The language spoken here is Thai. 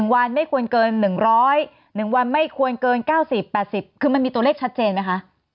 วันไม่ควรเกิน๑๐๑วันไม่ควรเกิน๙๐๘๐คือมันมีตัวเลขชัดเจนไหมคะ